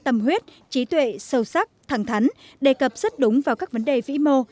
tổng bí thư đã có những ý kiến tâm huyết trí tuệ sâu sắc thẳng thắn đề cập rất đúng vào các vấn đề vĩ mô